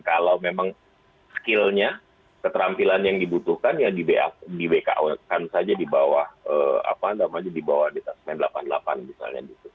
kalau memang skillnya keterampilan yang dibutuhkan ya di bko kan saja di bawah apa namanya di bawah di tasman delapan puluh delapan misalnya